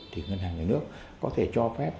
thì ngân hàng nhà nước có thể cho phép